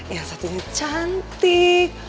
yang satunya cantik